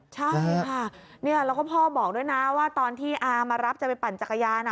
ใช่ค่ะแล้วก็พ่อบอกด้วยนะว่าตอนที่อามารับจะไปปั่นจักรยาน